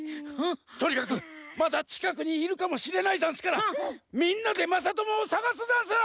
とにかくまだちかくにいるかもしれないざんすからみんなでまさともをさがすざんす！